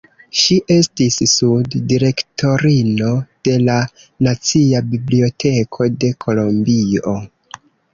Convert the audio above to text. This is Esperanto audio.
Ŝi estis sub-direktorino de la Nacia Biblioteko de Kolombio.